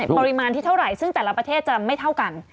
ปริมาณที่เท่าไหร่ซึ่งแต่ละประเทศจะไม่เท่ากัน